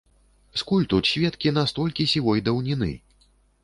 Скуль тут сведкі настолькі сівой даўніны?